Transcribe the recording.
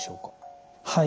はい。